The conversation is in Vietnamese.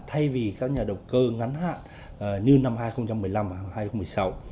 thay vì các nhà đầu cơ ngắn hạn như năm hai nghìn một mươi năm và hai nghìn một mươi sáu